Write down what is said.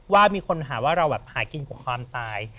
ว่ามีคนหาว่าเราแบบหากินกับความตาย